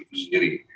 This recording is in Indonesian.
kompolnas itu sendiri